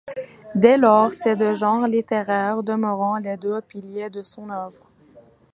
Dès lors, ces deux genres littéraires demeurent les deux piliers de son œuvre.